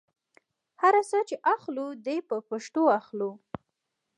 هر ساه چې اخلو دې په پښتو اخلو.